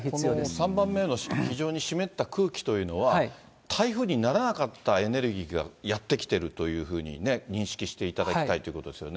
３番目の非常に湿った空気というのは、台風にならなかったエネルギーがやって来ているというふうに認識していただきたいということですよね。